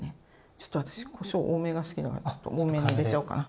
ちょっと私こしょう多めが好きなのでちょっと多めに入れちゃおうかな。